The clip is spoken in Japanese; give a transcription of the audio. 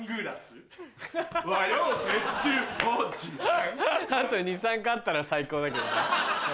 あと２３個あったら最高だけどな。